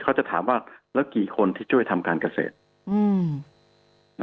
เขาจะถามว่าแล้วกี่คนที่ช่วยทำการเกษตร